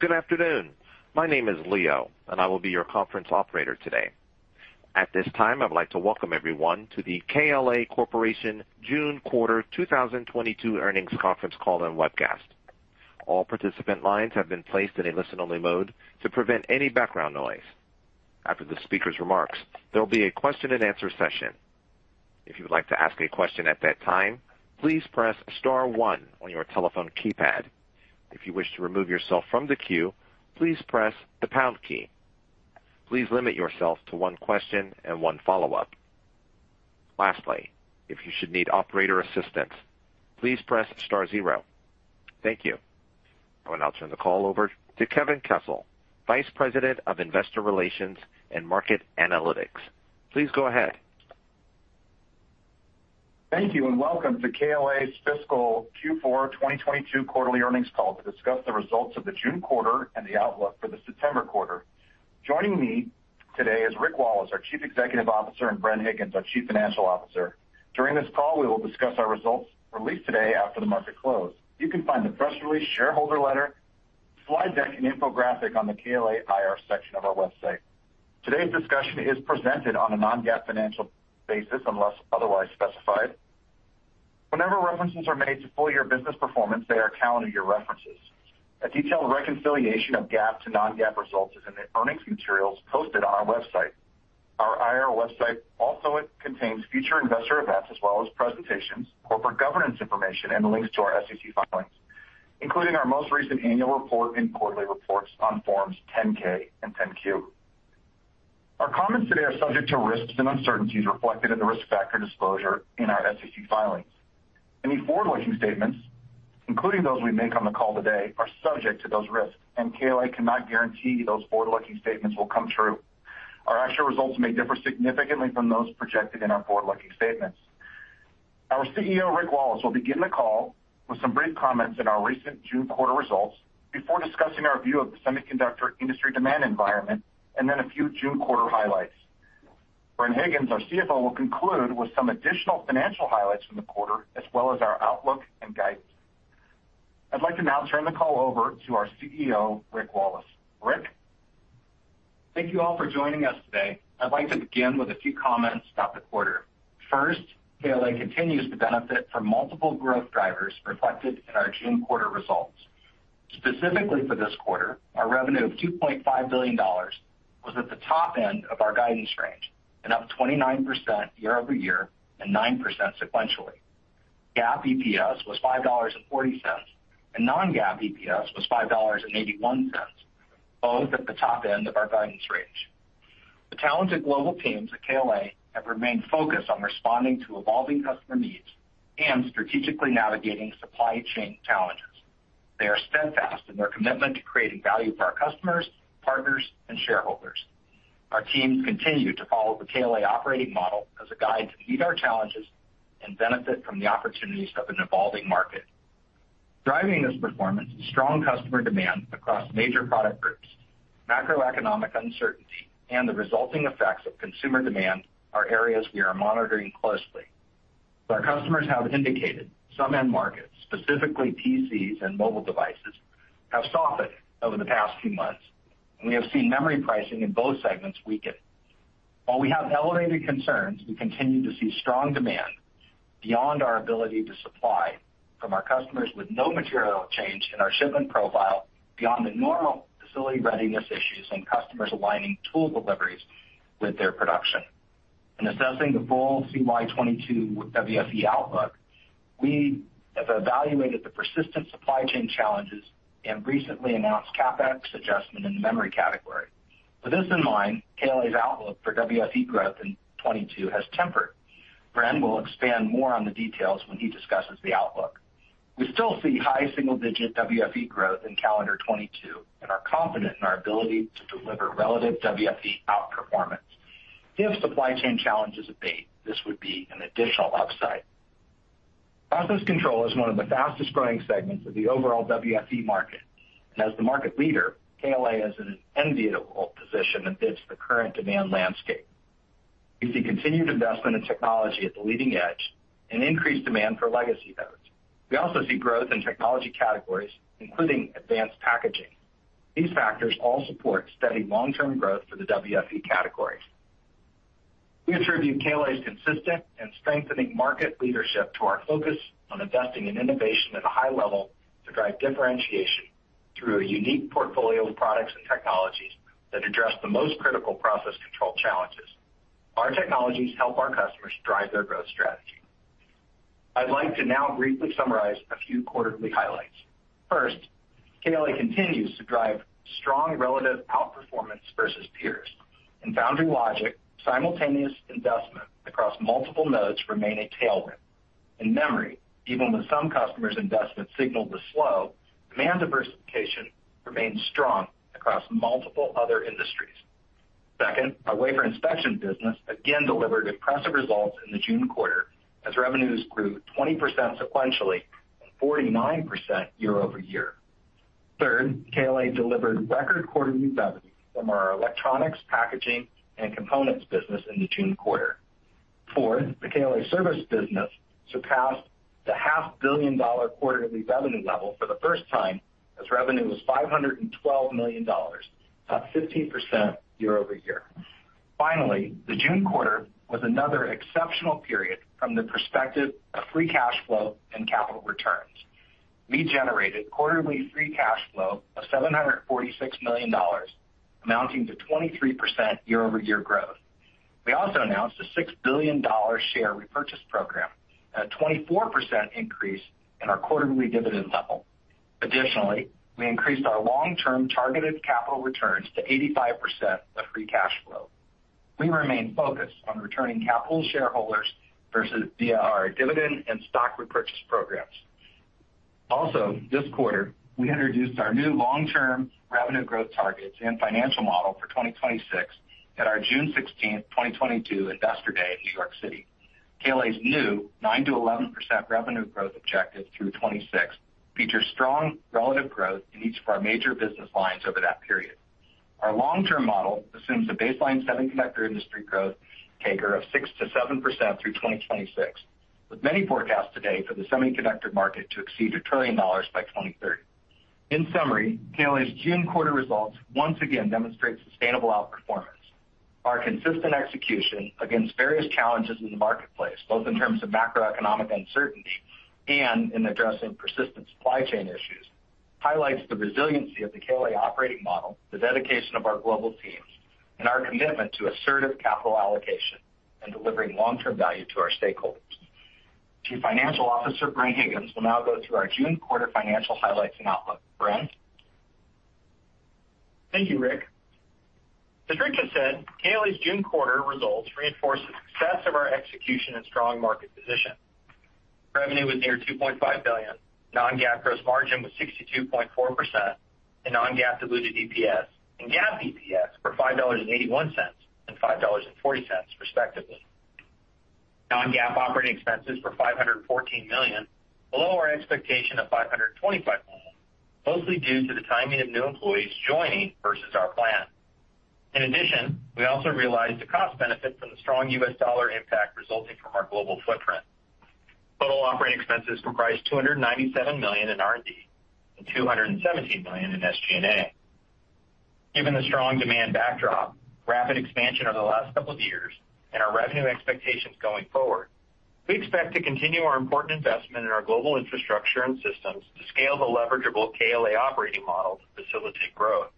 Good afternoon. My name is Leo, and I will be your conference operator today. At this time, I'd like to welcome everyone to the KLA Corporation June quarter 2022 earnings conference call and webcast. All participant lines have been placed in a listen-only mode to prevent any background noise. After the speaker's remarks, there will be a question-and-answer session. If you would like to ask a question at that time, please press star one on your telephone keypad. If you wish to remove yourself from the queue, please press the pound key. Please limit yourself to one question and one follow-up. Lastly, if you should need operator assistance, please press star zero. Thank you. I will now turn the call over to Kevin Kessel, Vice President of Investor Relations and Market Analytics. Please go ahead. Thank you, and welcome to KLA's fiscal Q4 2022 quarterly earnings call to discuss the results of the June quarter and the outlook for the September quarter. Joining me today is Rick Wallace, our Chief Executive Officer, and Bren Higgins, our Chief Financial Officer. During this call, we will discuss our results released today after the market closed. You can find the press release, shareholder letter, slide deck, and infographic on the KLA IR section of our website. Today's discussion is presented on a non-GAAP financial basis unless otherwise specified. Whenever references are made to full-year business performance, they are calendar year references. A detailed reconciliation of GAAP to non-GAAP results is in the earnings materials posted on our website. Our IR website also contains future investor events as well as presentations, corporate governance information, and links to our SEC filings, including our most recent annual report and quarterly reports on Forms 10-K and 10-Q. Our comments today are subject to risks and uncertainties reflected in the risk factor disclosure in our SEC filings. Any forward-looking statements, including those we make on the call today, are subject to those risks, and KLA cannot guarantee those forward-looking statements will come true. Our actual results may differ significantly from those projected in our forward-looking statements. Our CEO, Rick Wallace, will begin the call with some brief comments in our recent June quarter results before discussing our view of the semiconductor industry demand environment and then a few June quarter highlights. Bren Higgins, our CFO, will conclude with some additional financial highlights from the quarter as well as our outlook and guidance. I'd like to now turn the call over to our CEO, Rick Wallace. Rick? Thank you all for joining us today. I'd like to begin with a few comments about the quarter. First, KLA continues to benefit from multiple growth drivers reflected in our June quarter results. Specifically for this quarter, our revenue of $2.5 billion was at the top end of our guidance range and up 29% year-over-year and 9% sequentially. GAAP EPS was $5.40, and non-GAAP EPS was $5.81, both at the top end of our guidance range. The talented global teams at KLA have remained focused on responding to evolving customer needs and strategically navigating supply chain challenges. They are steadfast in their commitment to creating value for our customers, partners, and shareholders. Our teams continue to follow the KLA operating model as a guide to meet our challenges and benefit from the opportunities of an evolving market. Driving this performance is strong customer demand across major product groups. Macroeconomic uncertainty and the resulting effects of consumer demand are areas we are monitoring closely, but our customers have indicated some end markets, specifically PCs and mobile devices, have softened over the past few months, and we have seen memory pricing in both segments weaken. While we have elevated concerns, we continue to see strong demand beyond our ability to supply from our customers with no material change in our shipment profile beyond the normal facility readiness issues and customers aligning tool deliveries with their production. In assessing the full CY 22 WFE outlook, we have evaluated the persistent supply chain challenges and recently announced CapEx adjustment in the memory category. With this in mind, KLA's outlook for WFE growth in 2022 has tempered. Bren will expand more on the details when he discusses the outlook. We still see high single-digit WFE growth in calendar 2022 and are confident in our ability to deliver relative WFE outperformance. If supply chain challenges abate, this would be an additional upside. Process control is one of the fastest-growing segments of the overall WFE market. As the market leader, KLA is in an enviable position amidst the current demand landscape. We see continued investment in technology at the leading edge and increased demand for legacy nodes. We also see growth in technology categories, including advanced packaging. These factors all support steady long-term growth for the WFE categories. We attribute KLA's consistent and strengthening market leadership to our focus on investing in innovation at a high level to drive differentiation through a unique portfolio of products and technologies that address the most critical process control challenges. Our technologies help our customers drive their growth strategy. I'd like to now briefly summarize a few quarterly highlights. First, KLA continues to drive strong relative outperformance versus peers. In foundry and logic, simultaneous investment across multiple nodes remain a tailwind. In memory, even with some customers' investment signal to slow, demand diversification remains strong across multiple other industries. Second, our wafer inspection business again delivered impressive results in the June quarter as revenues grew 20% sequentially and 49% year-over-year. Third, KLA delivered record quarterly revenue from our electronics, packaging, and components business in the June quarter. Fourth, the KLA service business surpassed the $500 million quarterly revenue level for the first time as revenue was $512 million, up 15% year-over-year. Finally, the June quarter was another exceptional period from the perspective of free cash flow and capital returns. We generated quarterly free cash flow of $746 million, amounting to 23% year-over-year growth. We also announced a $6 billion share repurchase program at a 24% increase in our quarterly dividend level. Additionally, we increased our long-term targeted capital returns to 85% of free cash flow. We remain focused on returning capital to shareholders versus via our dividend and stock repurchase programs. This quarter, we introduced our new long-term revenue growth targets and financial model for 2026 at our June 16th, 2022 Investor Day in New York City. KLA's new 9%-11% revenue growth objective through 2026 features strong relative growth in each of our major business lines over that period. Our long-term model assumes a baseline semiconductor industry growth CAGR of 6%-7% through 2026, with many forecasts today for the semiconductor market to exceed $1 trillion by 2030. In summary, KLA's June quarter results once again demonstrate sustainable outperformance. Our consistent execution against various challenges in the marketplace, both in terms of macroeconomic uncertainty and in addressing persistent supply chain issues, highlights the resiliency of the KLA operating model, the dedication of our global teams, and our commitment to assertive capital allocation and delivering long-term value to our stakeholders. Chief Financial Officer, Bren Higgins, will now go through our June quarter financial highlights and outlook. Bren? Thank you, Rick. As Rick has said, KLA's June quarter results reinforce the success of our execution and strong market position. Revenue was near $2.5 billion, non-GAAP gross margin was 62.4%, and non-GAAP diluted EPS and GAAP EPS were $5.81 and $5.40, respectively. Non-GAAP operating expenses were $514 million, below our expectation of $525 million, mostly due to the timing of new employees joining versus our plan. In addition, we also realized the cost benefits from the strong U.S. dollar impact resulting from our global footprint. Total operating expenses comprised $297 million in R&D and $217 million in SG&A. Given the strong demand backdrop, rapid expansion over the last couple of years, and our revenue expectations going forward, we expect to continue our important investment in our global infrastructure and systems to scale the leverageable KLA operating model to facilitate growth.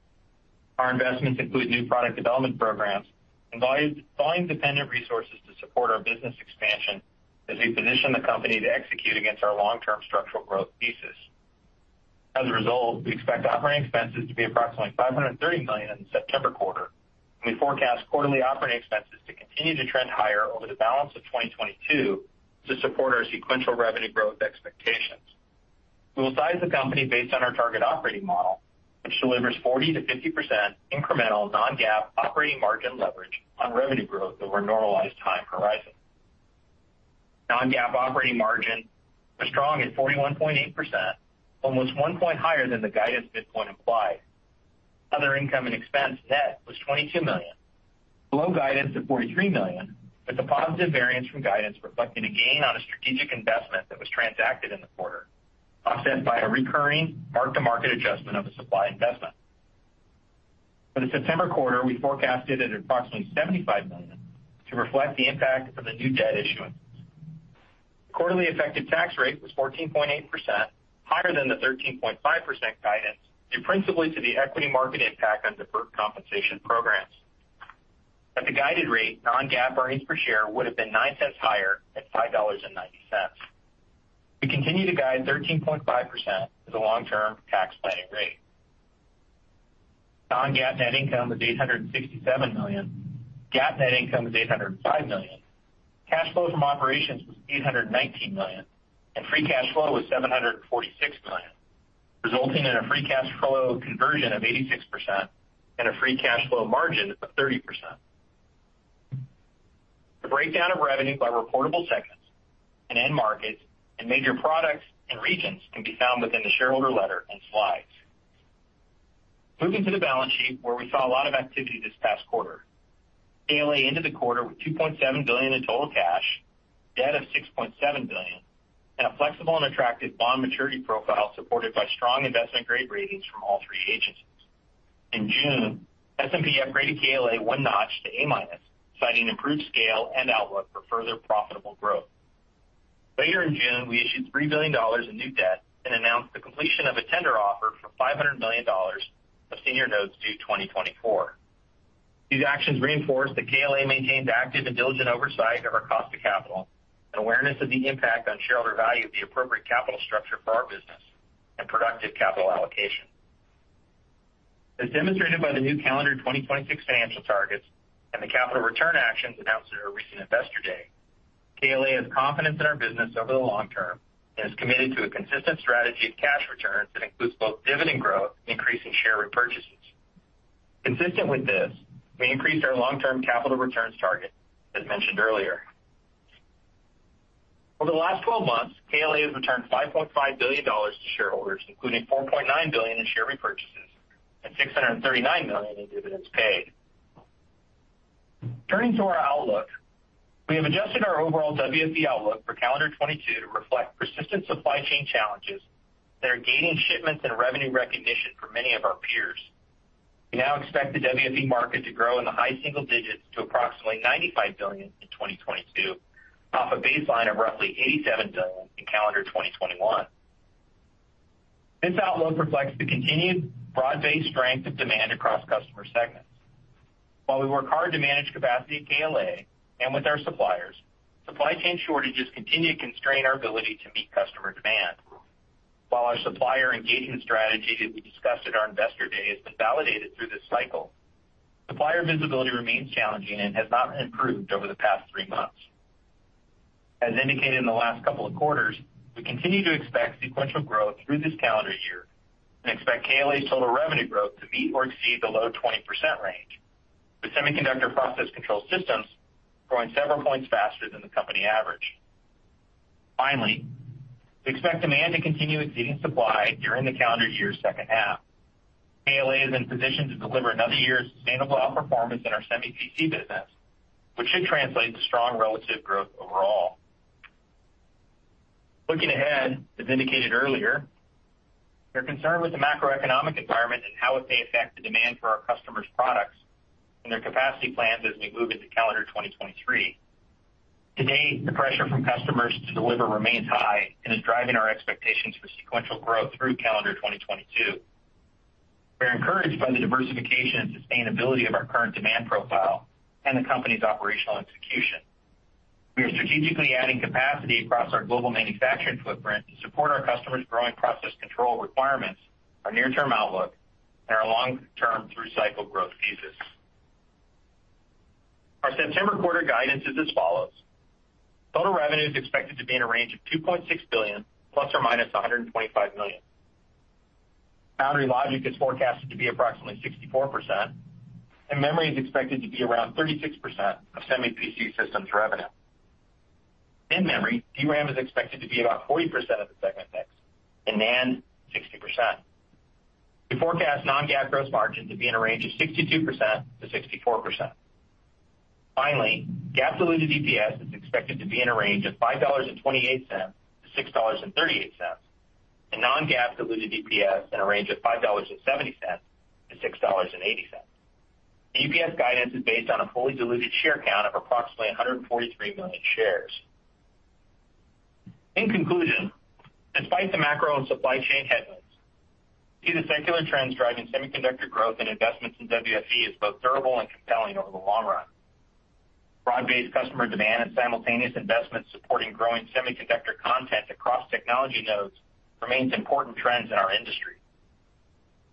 Our investments include new product development programs and volume-dependent resources to support our business expansion as we position the company to execute against our long-term structural growth thesis. As a result, we expect operating expenses to be approximately $530 million in the September quarter, and we forecast quarterly operating expenses to continue to trend higher over the balance of 2022 to support our sequential revenue growth expectations. We will size the company based on our target operating model, which delivers 40%-50% incremental non-GAAP operating margin leverage on revenue growth over a normalized time horizon. Non-GAAP operating margin was strong at 41.8%, almost 1 point higher than the guidance midpoint implied. Other income and expense net was $22 million, below guidance of $43 million, with the positive variance from guidance reflecting a gain on a strategic investment that was transacted in the quarter, offset by a recurring mark-to-market adjustment of a supply investment. For the September quarter, we forecasted at approximately $75 million to reflect the impact from the new debt issuance. The quarterly effective tax rate was 14.8%, higher than the 13.5% guidance, due principally to the equity market impact on deferred compensation programs. At the guided rate, non-GAAP earnings per share would have been 9 cents higher at $5.90. We continue to guide 13.5% as a long-term tax planning rate. Non-GAAP net income was $867 million. GAAP net income was $805 million. Cash flow from operations was $819 million, and free cash flow was $746 million, resulting in a free cash flow conversion of 86% and a free cash flow margin of 30%. The breakdown of revenue by reportable segments and end markets and major products and regions can be found within the shareholder letter and slides. Moving to the balance sheet, where we saw a lot of activity this past quarter. KLA ended the quarter with $2.7 billion in total cash, debt of $6.7 billion, and a flexible and attractive bond maturity profile supported by strong investment-grade ratings from all three agencies. In June, S&P upgraded KLA one notch to A-, citing improved scale and outlook for further profitable growth. Later in June, we issued $3 billion in new debt and announced the completion of a tender offer for $500 million of senior notes due 2024. These actions reinforce that KLA maintains active and diligent oversight of our cost of capital, an awareness of the impact on shareholder value of the appropriate capital structure for our business, and productive capital allocation. As demonstrated by the new calendar 2026 financial targets and the capital return actions announced at our recent Investor Day, KLA has confidence in our business over the long term and is committed to a consistent strategy of cash returns that includes both dividend growth and increasing share repurchases. Consistent with this, we increased our long-term capital returns target, as mentioned earlier. Over the last twelve months, KLA has returned $5.5 billion to shareholders, including $4.9 billion in share repurchases and $639 million in dividends paid. Turning to our outlook, we have adjusted our overall WFE outlook for calendar 2022 to reflect persistent supply chain challenges that are impacting shipments and revenue recognition for many of our peers. We now expect the WFE market to grow in the high single digits to approximately $95 billion in 2022, off a baseline of roughly $87 billion in calendar 2021. This outlook reflects the continued broad-based strength of demand across customer segments. While we work hard to manage capacity at KLA and with our suppliers, supply chain shortages continue to constrain our ability to meet customer demand. While our supplier engagement strategy that we discussed at our Investor Day has been validated through this cycle, supplier visibility remains challenging and has not improved over the past three months. As indicated in the last couple of quarters, we continue to expect sequential growth through this calendar year and expect KLA total revenue growth to meet or exceed the low 20% range, with semiconductor process control systems growing several points faster than the company average. Finally, we expect demand to continue exceeding supply during the calendar year's second half. KLA is in position to deliver another year of sustainable outperformance in our Semi PC business, which should translate to strong relative growth overall. Looking ahead, as indicated earlier, we're concerned with the macroeconomic environment and how it may affect the demand for our customers' products and their capacity plans as we move into calendar 2023. Today, the pressure from customers to deliver remains high and is driving our expectations for sequential growth through calendar 2022. We're encouraged by the diversification and sustainability of our current demand profile and the company's operational execution. We are strategically adding capacity across our global manufacturing footprint to support our customers' growing process control requirements, our near-term outlook, and our long-term through-cycle growth thesis. Our September quarter guidance is as follows. Total revenue is expected to be in a range of $2.6 billion ±$125 million. Foundry logic is forecasted to be approximately 64%, and memory is expected to be around 36% of Semi PC systems revenue. In memory, DRAM is expected to be about 40% of the segment mix, and NAND 60%. We forecast non-GAAP gross margin to be in a range of 62%-64%. Finally, GAAP diluted EPS is expected to be in a range of $5.28-$6.38, and non-GAAP diluted EPS in a range of $5.70-$6.80. The EPS guidance is based on a fully diluted share count of approximately 143 million shares. In conclusion, despite the macro and supply chain headwinds, we see the secular trends driving semiconductor growth and investments in WFE as both durable and compelling over the long run. Broad-based customer demand and simultaneous investments supporting growing semiconductor content across technology nodes remains important trends in our industry.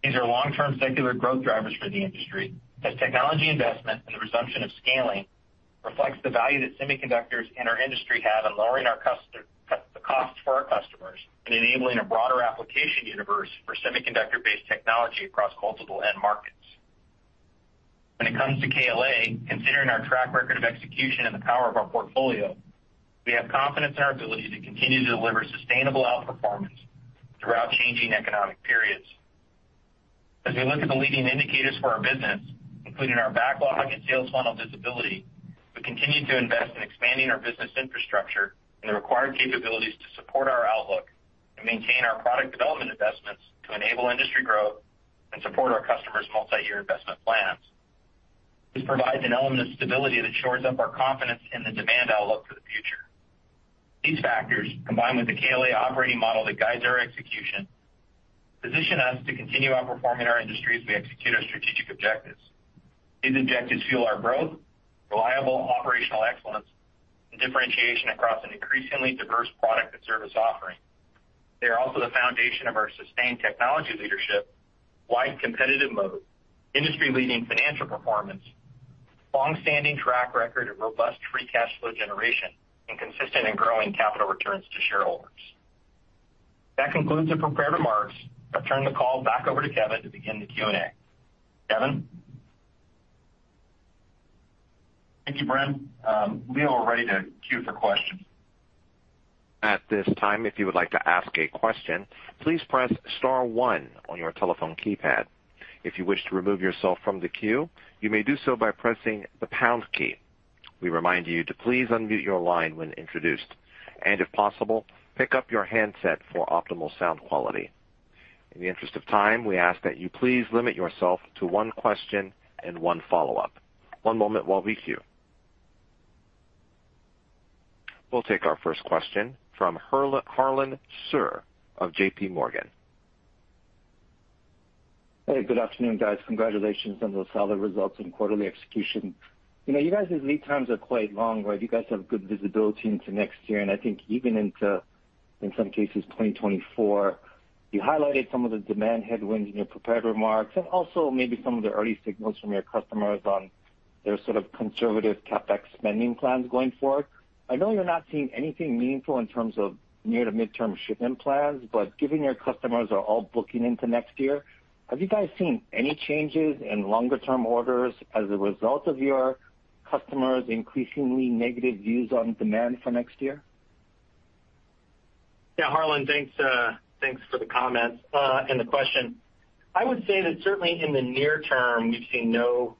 These are long-term secular growth drivers for the industry, as technology investment and the resumption of scaling reflects the value that semiconductors and our industry have in lowering the cost for our customers, and enabling a broader application universe for semiconductor-based technology across multiple end markets. When it comes to KLA, considering our track record of execution and the power of our portfolio, we have confidence in our ability to continue to deliver sustainable outperformance throughout changing economic periods. As we look at the leading indicators for our business, including our backlog and sales funnel visibility, we continue to invest in expanding our business infrastructure and the required capabilities to support our outlook and maintain our product development investments to enable industry growth and support our customers' multi-year investment plans. This provides an element of stability that shores up our confidence in the demand outlook for the future. These factors, combined with the KLA operating model that guides our execution, position us to continue outperforming our industry as we execute our strategic objectives. These objectives fuel our growth, reliable operational excellence, and differentiation across an increasingly diverse product and service offering. They are also the foundation of our sustained technology leadership, wide competitive moat, industry-leading financial performance, long-standing track record of robust free cash flow generation, and consistent and growing capital returns to shareholders. That concludes the prepared remarks. I'll turn the call back over to Kevin to begin the Q&A. Kevin? Thank you, Bren. We are ready to queue for questions. At this time, if you would like to ask a question, please press star one on your telephone keypad. If you wish to remove yourself from the queue, you may do so by pressing the pound key. We remind you to please unmute your line when introduced, and if possible, pick up your handset for optimal sound quality. In the interest of time, we ask that you please limit yourself to one question and one follow-up. One moment while we queue. We'll take our first question from Harlan Sur of JPMorgan. Hey, good afternoon, guys. Congratulations on those solid results and quarterly execution. You know, you guys' lead times are quite long, right? You guys have good visibility into next year, and I think even into, in some cases, 2024. You highlighted some of the demand headwinds in your prepared remarks, and also maybe some of the early signals from your customers on their sort of conservative CapEx spending plans going forward. I know you're not seeing anything meaningful in terms of near to midterm shipment plans, but given your customers are all booking into next year, have you guys seen any changes in longer-term orders as a result of your customers' increasingly negative views on demand for next year? Yeah, Harlan, thanks for the comments and the question. I would say that certainly in the near term, we've seen no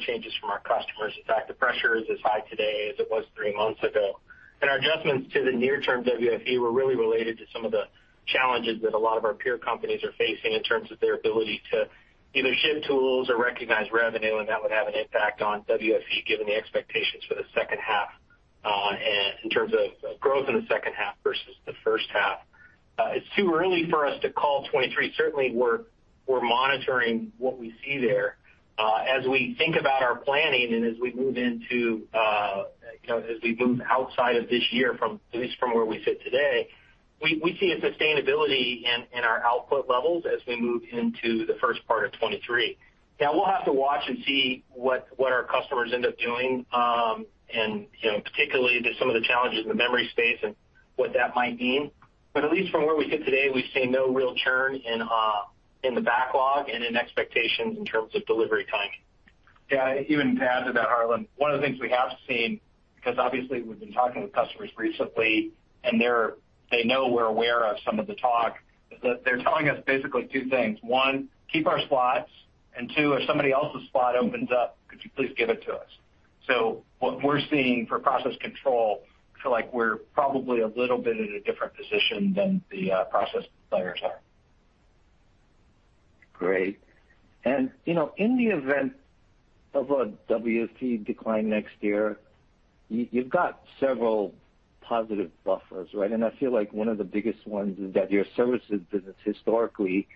changes from our customers. In fact, the pressure is as high today as it was three months ago. Our adjustments to the near-term WFE were really related to some of the challenges that a lot of our peer companies are facing in terms of their ability to either ship tools or recognize revenue, and that would have an impact on WFE, given the expectations for the second half, and in terms of growth in the second half versus the first half. It's too early for us to call 2023. Certainly, we're monitoring what we see there. As we think about our planning and as we move into, you know, as we move outside of this year from, at least from where we sit today, we see a sustainability in our output levels as we move into the first part of 2023. Now, we'll have to watch and see what our customers end up doing, and you know, particularly to some of the challenges in the memory space and what that might mean. At least from where we sit today, we see no real churn in the backlog and in expectations in terms of delivery timing. Yeah, even to add to that, Harlan, one of the things we have seen, because obviously we've been talking with customers recently, and they know we're aware of some of the talk that they're telling us basically two things. One, keep our slots, and two, if somebody else's slot opens up, could you please give it to us? What we're seeing for process control, I feel like we're probably a little bit at a different position than the process players are. Great. You know, in the event of a WFE decline next year, you've got several positive buffers, right? I feel like one of the biggest ones is that your services business historically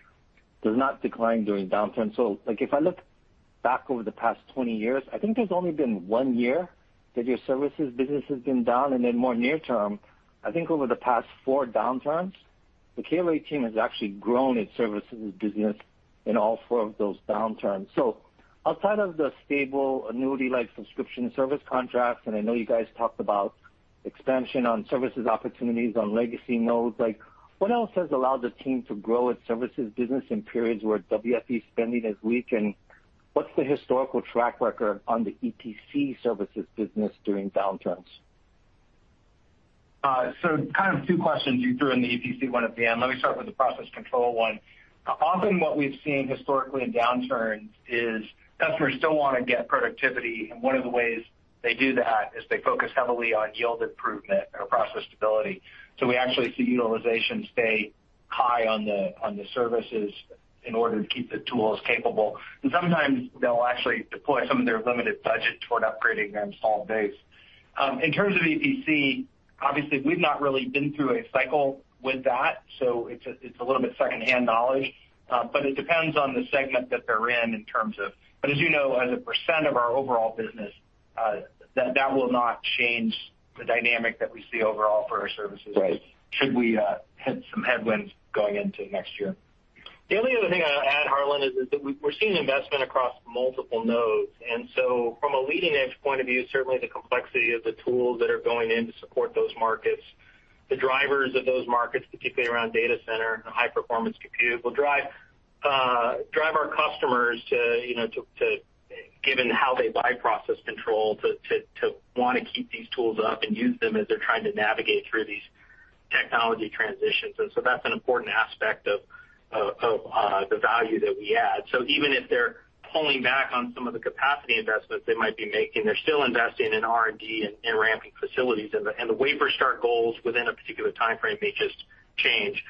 does not decline during downturns. Like, if I look back over the past 20 years, I think there's only been one year that your services business has been down, and then more near term, I think over the past four downturns, the KLA team has actually grown its services business in all four of those downturns. Outside of the stable annuity-like subscription service contracts, and I know you guys talked about expansion on services opportunities on legacy nodes, like what else has allowed the team to grow its services business in periods where WFE spending is weak, and what's the historical track record on the EPC services business during downturns? Kind of two questions you threw in the EPC one at the end. Let me start with the process control one. Often what we've seen historically in downturns is customers still wanna get productivity, and one of the ways they do that is they focus heavily on yield improvement or process stability. We actually see utilization stay high on the services in order to keep the tools capable. Sometimes they'll actually deploy some of their limited budget toward upgrading their installed base. In terms of EPC, obviously, we've not really been through a cycle with that, so it's a little bit secondhand knowledge, but it depends on the segment that they're in terms of. As you know, as a percent of our overall business, that will not change the dynamic that we see overall for our services. Right. Should we hit some headwinds going into next year. The only other thing I'll add, Harlan, is that we're seeing investment across multiple nodes. From a leading edge point of view, certainly the complexity of the tools that are going in to support those markets, the drivers of those markets, particularly around data center and high-performance compute, will drive our customers to, you know, given how they buy process control, to wanna keep these tools up and use them as they're trying to navigate through these technology transitions. That's an important aspect of the value that we add. Even if they're pulling back on some of the capacity investments they might be making, they're still investing in R&D and ramping facilities, and the wafer start goals within a particular timeframe may just change.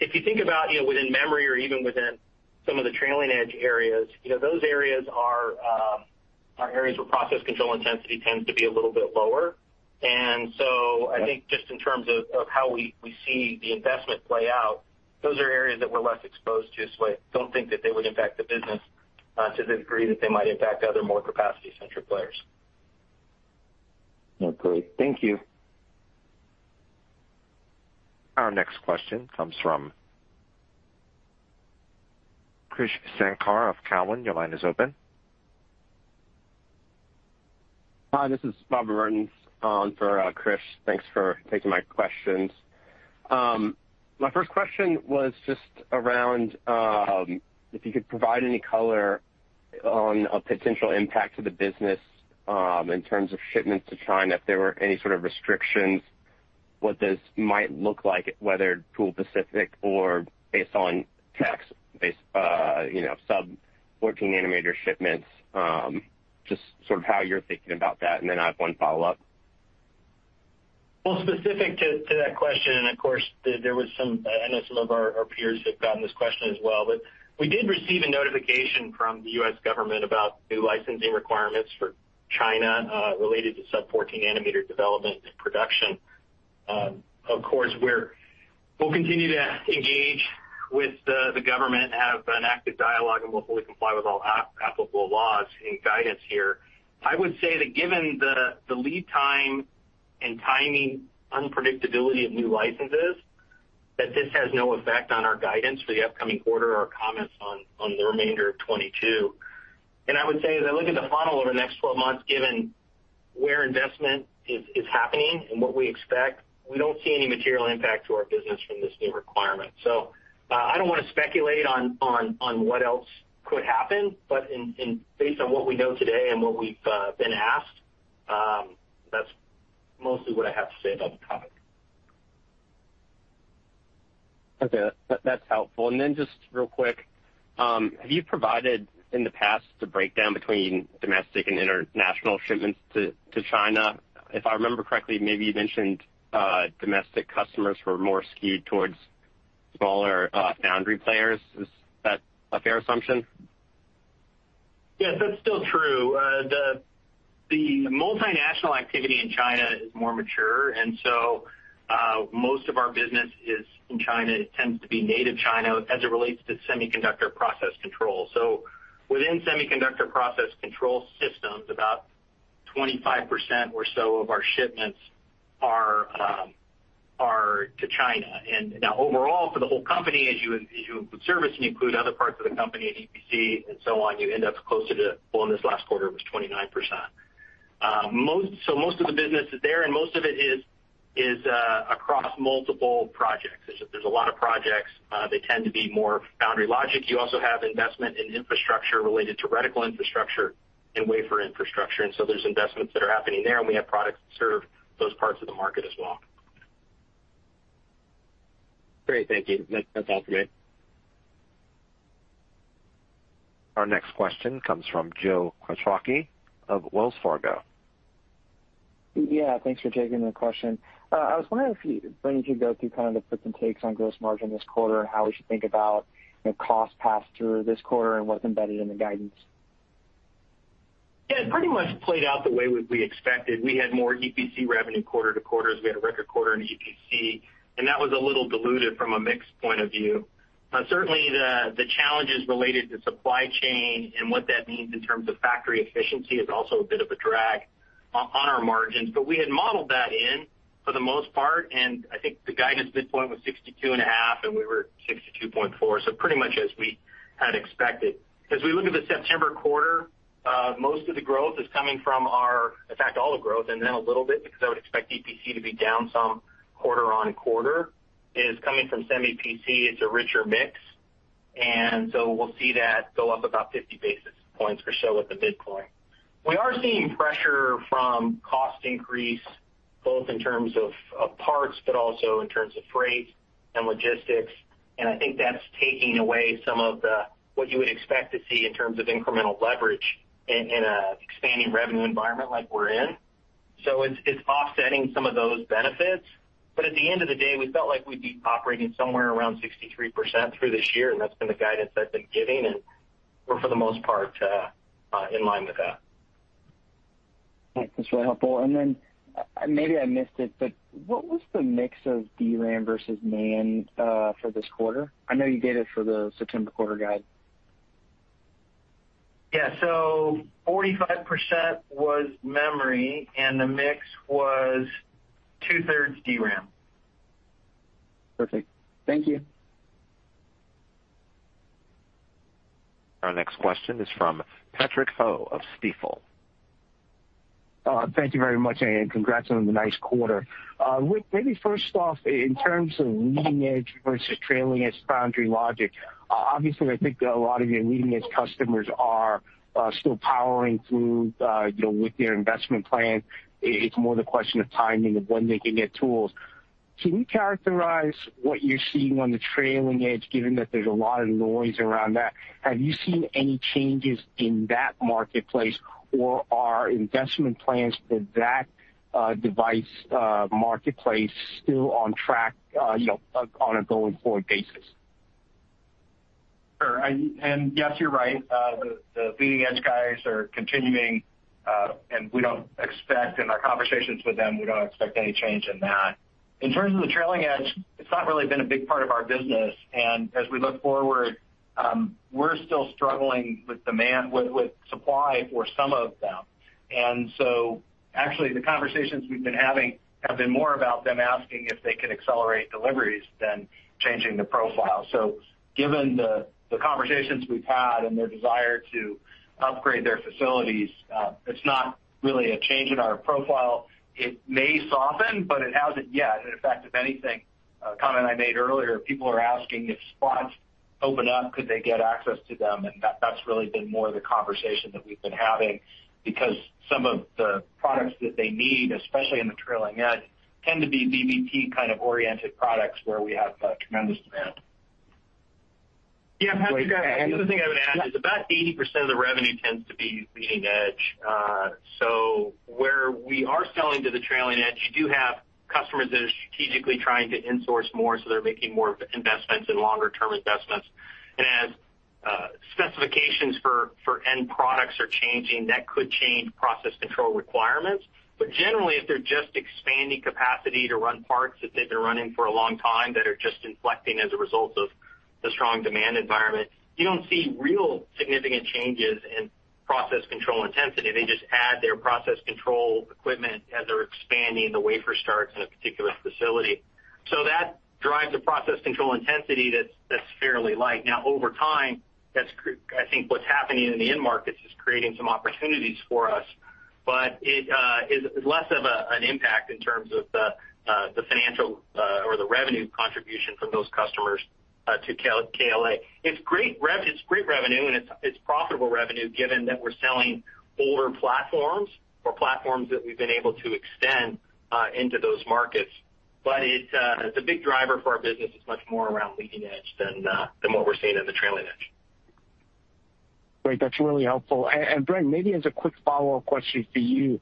If you think about, you know, within memory or even within some of the trailing edge areas, you know, those areas are areas where process control intensity tends to be a little bit lower. I think just in terms of how we see the investment play out, those are areas that we're less exposed to, so I don't think that they would impact the business to the degree that they might impact other more capacity-centric players. Okay. Thank you. Our next question comes from Krish Sankar of Cowen. Your line is open. Hi, this is Bob Mertens for Krish Sankar. Thanks for taking my questions. My first question was just around if you could provide any color on a potential impact to the business in terms of shipments to China, if there were any sort of restrictions, what this might look like, whether tool specific or based on tech base, you know, sub-14 nm shipments, just sort of how you're thinking about that. I have one follow-up. Well, specific to that question, of course, there was some. I know some of our peers have gotten this question as well, but we did receive a notification from the U.S. government about new licensing requirements for China, related to sub-14 nm development and production. Of course, we'll continue to engage with the government, have an active dialogue, and we'll fully comply with all applicable laws and guidance here. I would say that given the lead time and timing unpredictability of new licenses, that this has no effect on our guidance for the upcoming quarter or comments on the remainder of 2022. I would say, as I look at the funnel over the next 12 months, given where investment is happening and what we expect, we don't see any material impact to our business from this new requirement. I don't wanna speculate on what else could happen, but based on what we know today and what we've been asked, that's mostly what I have to say about the topic. Okay. That's helpful. Then just real quick, have you provided in the past the breakdown between domestic and international shipments to China? If I remember correctly, maybe you mentioned domestic customers were more skewed towards smaller foundry players. Is that a fair assumption? Yes, that's still true. The multinational activity in China is more mature, and so most of our business is in China. It tends to be native China as it relates to semiconductor process control. Within semiconductor process control systems, about 25% or so of our shipments are to China. Now overall for the whole company, as you include service and you include other parts of the company and EPC and so on, you end up closer to, well, in this last quarter, it was 29%. Most of the business is there, and most of it is across multiple projects. There's a lot of projects, they tend to be more foundry logic. You also have investment in infrastructure related to reticle infrastructure and wafer infrastructure, and so there's investments that are happening there, and we have products that serve those parts of the market as well. Great. Thank you. That, that's all great. Our next question comes from Joe Quatrochi of Wells Fargo. Yeah, thanks for taking the question. I was wondering if you, Bren, could go through kind of the puts and takes on gross margin this quarter and how we should think about, you know, cost pass through this quarter and what's embedded in the guidance. Yeah, it pretty much played out the way we expected. We had more EPC revenue quarter to quarter, as we had a record quarter in EPC, and that was a little diluted from a mix point of view. Certainly the challenges related to supply chain and what that means in terms of factory efficiency is also a bit of a drag on our margins. We had modeled that in for the most part, and I think the guidance midpoint was 62.5%, and we were 62.4%. Pretty much as we had expected. As we look at the September quarter, most of the growth is coming from our. In fact, all the growth and then a little bit, because I would expect EPC to be down some quarter on quarter, is coming from Semi PC. It's a richer mix, and so we'll see that go up about 50 basis points or so at the midpoint. We are seeing pressure from cost increase, both in terms of parts, but also in terms of freight and logistics. I think that's taking away some of the, what you would expect to see in terms of incremental leverage in an expanding revenue environment like we're in. It's offsetting some of those benefits. At the end of the day, we felt like we'd be operating somewhere around 63% through this year, and that's been the guidance I've been giving, and we're for the most part in line with that. That's really helpful. Then maybe I missed it, but what was the mix of DRAM versus NAND for this quarter? I know you gave it for the September quarter guide. 45% was memory, and the mix was 2/3 DRAM. Perfect. Thank you. Our next question is from Patrick Ho of Stifel. Thank you very much, and congrats on the nice quarter. Maybe first off, in terms of leading edge versus trailing edge foundry logic, obviously, I think a lot of your leading edge customers are still powering through, you know, with their investment plan. It's more the question of timing of when they can get tools. Can you characterize what you're seeing on the trailing edge, given that there's a lot of noise around that? Have you seen any changes in that marketplace, or are investment plans for that device marketplace still on track, you know, on a going forward basis? Sure. Yes, you're right. The leading edge guys are continuing, and we don't expect, in our conversations with them, any change in that. In terms of the trailing edge, it's not really been a big part of our business. As we look forward, we're still struggling with supply for some of them. Actually, the conversations we've been having have been more about them asking if they can accelerate deliveries than changing the profile. Given the conversations we've had and their desire to upgrade their facilities, it's not really a change in our profile. It may soften, but it hasn't yet. In fact, if anything, a comment I made earlier, people are asking if spots open up, could they get access to them, and that's really been more the conversation that we've been having because some of the products that they need, especially in the trailing edge, tend to be BPP kind of oriented products where we have tremendous demand. Yeah, Patrick, the other thing I would add is about 80% of the revenue tends to be leading edge. So where we are selling to the trailing edge, you do have customers that are strategically trying to insource more, so they're making more investments and longer term investments. As specifications for end products are changing, that could change process control requirements. Generally, if they're just expanding capacity to run parts that they've been running for a long time that are just inflecting as a result of the strong demand environment, you don't see real significant changes in process control intensity. They just add their process control equipment as they're expanding the wafer starts in a particular facility. That drives a process control intensity that's fairly light. Now, over time, I think what's happening in the end markets is creating some opportunities for us, but it is less of an impact in terms of the financial or the revenue contribution from those customers to KLA. It's great revenue, and it's profitable revenue given that we're selling older platforms or platforms that we've been able to extend into those markets. It's a big driver for our business is much more around leading edge than what we're seeing in the trailing edge. Great. That's really helpful. Bren, maybe as a quick follow-up question for you.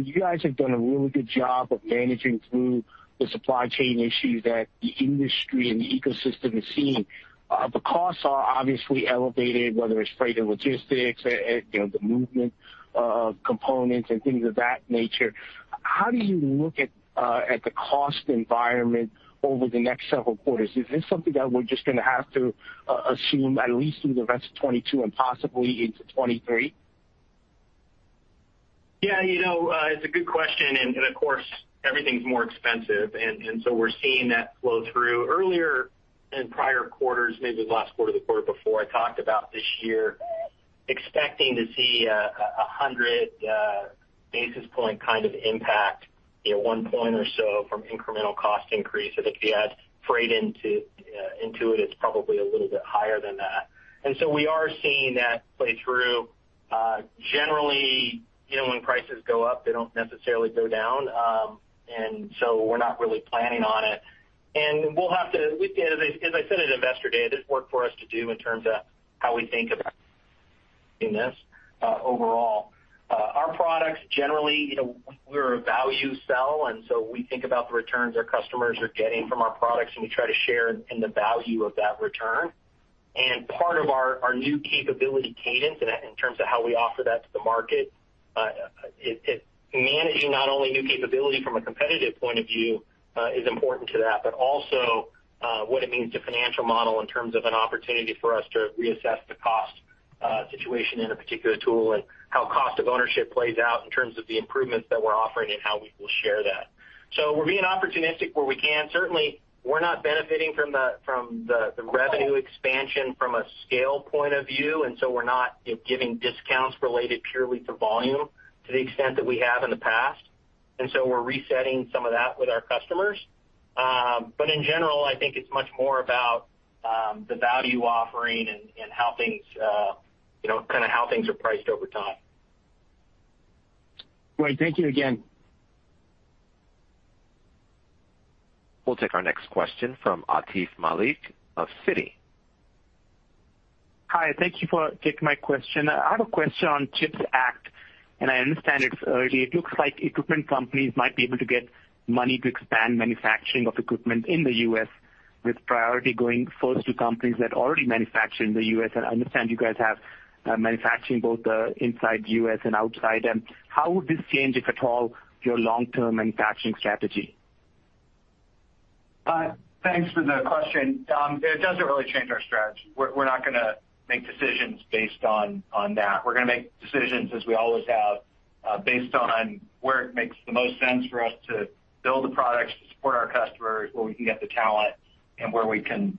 You guys have done a really good job of managing through the supply chain issues that the industry and the ecosystem is seeing. The costs are obviously elevated, whether it's freight and logistics, you know, the movement of components and things of that nature. How do you look at the cost environment over the next several quarters? Is this something that we're just gonna have to assume at least through the rest of 2022 and possibly into 2023? Yeah. You know, it's a good question, and of course, everything's more expensive, and so we're seeing that flow through. Earlier in prior quarters, maybe the last quarter, the quarter before, I talked about this year expecting to see a 100 basis point kind of impact, you know, 1 point or so from incremental cost increases. If you add freight into it's probably a little bit higher than that. We are seeing that play through. Generally, you know, when prices go up, they don't necessarily go down, and so we're not really planning on it. We'll have to. As I said at Investor Day, there's work for us to do in terms of how we think about doing this, overall. Our products generally, you know, we're a value seller, and so we think about the returns our customers are getting from our products, and we try to share in the value of that return. Part of our new capability cadence in terms of how we offer that to the market is managing not only new capability from a competitive point of view, but also what it means to the financial model in terms of an opportunity for us to reassess the cost situation in a particular tool and how cost of ownership plays out in terms of the improvements that we're offering and how we will share that. We're being opportunistic where we can. Certainly, we're not benefiting from the revenue expansion from a scale point of view, and so we're not giving discounts related purely to volume to the extent that we have in the past. We're resetting some of that with our customers. In general, I think it's much more about the value offering and how things, you know, kinda how things are priced over time. Great. Thank you again. We'll take our next question from Aatif Malik of Citi. Hi, thank you for taking my question. I have a question on CHIPS Act, and I understand it's early. It looks like equipment companies might be able to get money to expand manufacturing of equipment in the U.S., with priority going first to companies that already manufacture in the U.S. I understand you guys have manufacturing both inside U.S. and outside. How would this change, if at all, your long-term manufacturing strategy? Thanks for the question. It doesn't really change our strategy. We're not gonna make decisions based on that. We're gonna make decisions as we always have, based on where it makes the most sense for us to build the products, to support our customers, where we can get the talent, and where we can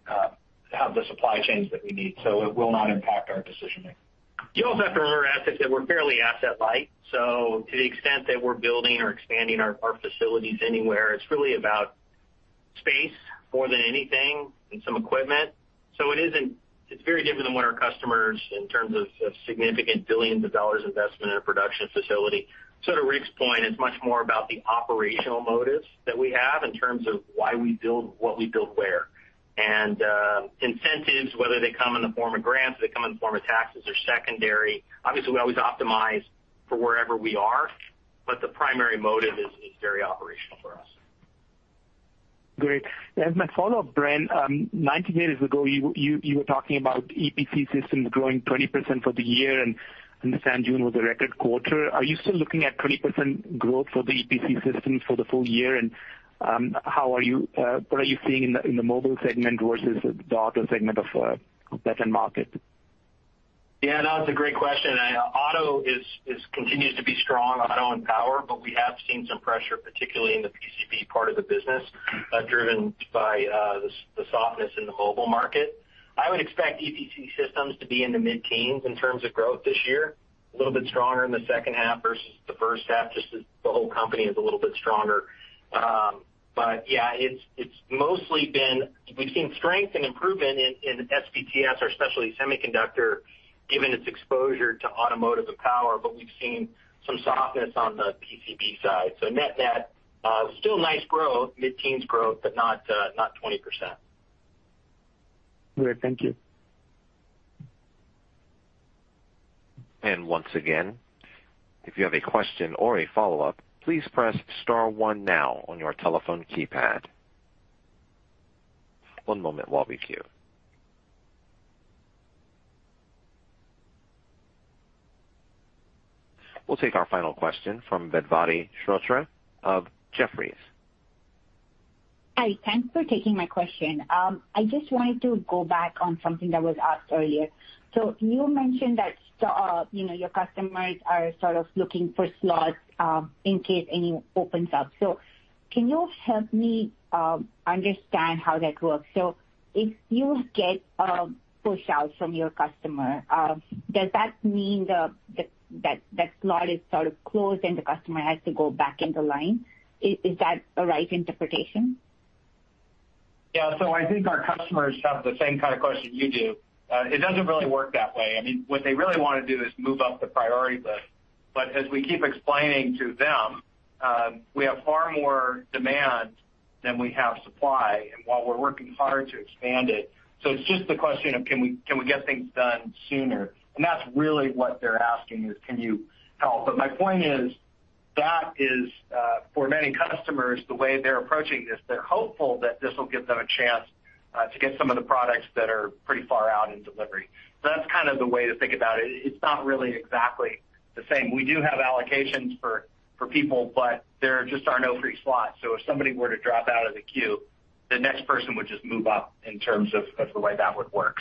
have the supply chains that we need. It will not impact our decision-making. You also have to remember, Atif, that we're fairly asset light, so to the extent that we're building or expanding our facilities anywhere, it's really about space more than anything and some equipment. It isn't. It's very different than what our customers in terms of significant billions of dollars investment in a production facility. To Rick's point, it's much more about the operational motives that we have in terms of why we build what we build where. Incentives, whether they come in the form of grants or they come in the form of taxes, are secondary. Obviously, we always optimize for wherever we are, but the primary motive is very operational for us. Great. As my follow-up, Bren, nine, 10 years ago, you were talking about EPC systems growing 20% for the year, and I understand June was a record quarter. Are you still looking at 20% growth for the EPC systems for the full year? And, what are you seeing in the mobile segment versus the auto segment of that end market? Yeah. No, it's a great question. Auto continues to be strong, auto and power, but we have seen some pressure, particularly in the PCB part of the business, driven by the softness in the mobile market. I would expect EPC systems to be in the mid-teens% in terms of growth this year, a little bit stronger in the second half versus the first half, just as the whole company is a little bit stronger. It's mostly been. We've seen strength and improvement in SPTS, our specialty semiconductor, given its exposure to automotive and power, but we've seen some softness on the PCB side. Net-net, still nice growth, mid-teens growth, but not 20%. Great. Thank you. Once again, if you have a question or a follow-up, please press star one now on your telephone keypad. One moment while we queue. We'll take our final question from Vedvati Shrotre of Jefferies. Hi. Thanks for taking my question. I just wanted to go back on something that was asked earlier. You mentioned that, you know, your customers are sort of looking for slots in case any opens up. Can you help me understand how that works? If you get a push-out from your customer, does that mean that slot is sort of closed and the customer has to go back into line? Is that a right interpretation? Yeah. I think our customers have the same kind of question you do. It doesn't really work that way. I mean, what they really wanna do is move up the priority list. As we keep explaining to them, we have far more demand than we have supply and while we're working hard to expand it. It's just the question of, can we get things done sooner? That's really what they're asking is, can you help? My point is that is, for many customers, the way they're approaching this, they're hopeful that this will give them a chance to get some of the products that are pretty far out in delivery. That's kind of the way to think about it. It's not really exactly the same. We do have allocations for people, but there just are no free slots. If somebody were to drop out of the queue, the next person would just move up in terms of the way that would work.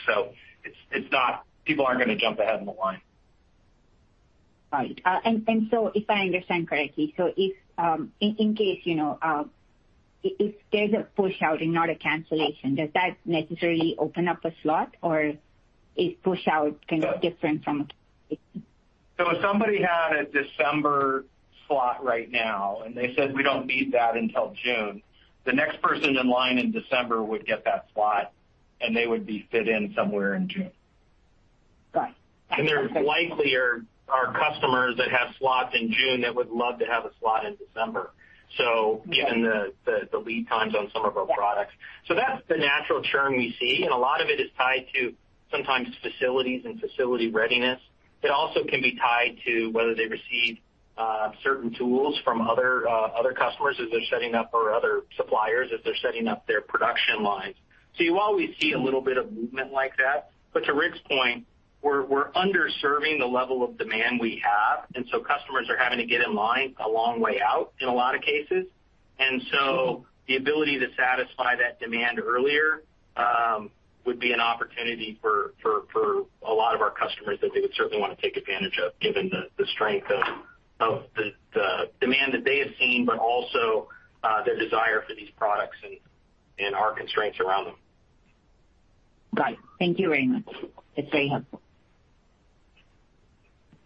It's not. People aren't gonna jump ahead in the line. Right. If I understand correctly, in case, you know, if there's a push-out and not a cancellation, does that necessarily open up a slot or is push-out kind of different from? If somebody had a December slot right now, and they said, "We don't need that until June," the next person in line in December would get that slot, and they would be fit in somewhere in June. Got it. There likely are customers that have slots in June that would love to have a slot in December, so given the lead times on some of our products. That's the natural churn we see, and a lot of it is tied to sometimes facilities and facility readiness. It also can be tied to whether they receive certain tools from other customers as they're setting up or other suppliers as they're setting up their production lines. You always see a little bit of movement like that. To Rick's point, we're underserving the level of demand we have, and so customers are having to get in line a long way out in a lot of cases. The ability to satisfy that demand earlier would be an opportunity for a lot of our customers that they would certainly wanna take advantage of given the strength of the demand that they have seen, but also the desire for these products and our constraints around them. Got it. Thank you very much. It's very helpful.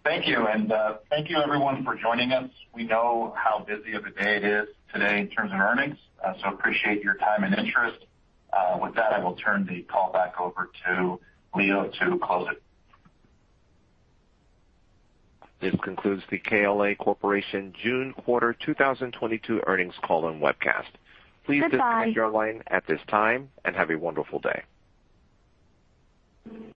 Thank you. Thank you everyone for joining us. We know how busy of a day it is today in terms of earnings, so appreciate your time and interest. With that, I will turn the call back over to Leo to close it. This concludes the KLA Corporation June quarter 2022 earnings call and webcast. Goodbye. Please disconnect your line at this time and have a wonderful day.